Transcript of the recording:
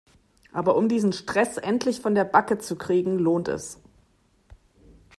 Aber um diesen Stress endlich von der Backe zu kriegen lohnt es.